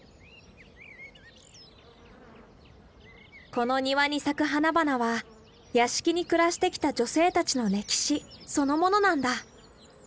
この庭に咲く花々は屋敷に暮らしてきた女性たちの歴史そのものなんだ。